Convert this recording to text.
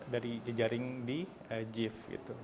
dari jejaring di jiv